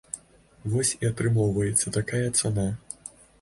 Вось і атрымоўваецца такая цана.